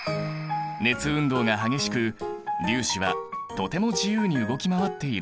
熱運動が激しく粒子はとても自由に動き回っているんだ。